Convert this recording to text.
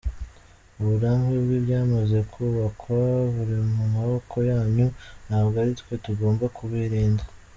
Uburambe bw’ibyamaze kubakwa buri mu maboko yanyu, ntabwo ari twe tugomba kubirinda.